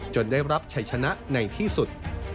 ได้รับชัยชนะในที่สุด